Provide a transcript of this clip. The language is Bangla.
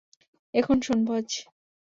এখন শোন, বয়েজ!